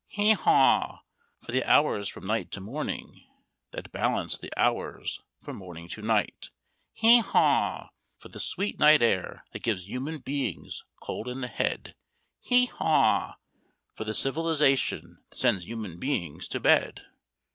Hee haw! for the hours from night to morning, that balance the hours from morning to night. Hee haw! for the sweet night air that gives human beings cold in the head. Hee haw! for the civilization that sends human beings to bed.